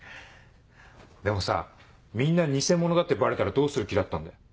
でもさみんな偽物だってバレたらどうする気だったんだよ？